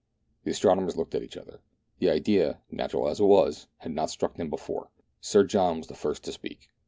The astronomers looked at each other ; the idea, natural as it was, had not struck them before. Sir John was the first to speak.